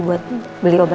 eh burat kamu gimana